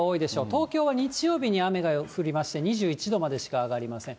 東京は日曜日に雨が降りまして、２１度までしか上がりません。